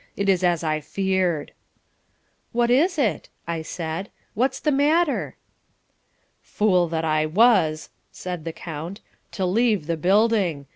It is as I feared." "What is it?" I said; "what's the matter?" "Fool that I was," said the count, "to leave the building.